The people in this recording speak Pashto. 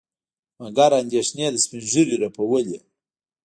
مګر اندېښنې د سپينږيري رپولې.